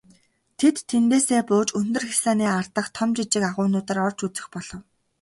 Тэд тэндээсээ бууж өндөр хясааны ар дахь том жижиг агуйнуудаар орж үзэх болов.